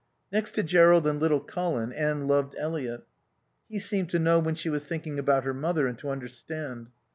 Next to Jerrold and little Colin Anne loved Eliot. He seemed to know when she was thinking about her mother and to understand.